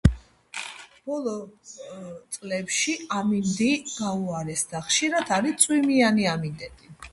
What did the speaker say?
ბოლო წლებში ამინდი გაუარესდა ხშირად არის წვიმიანი ამინდები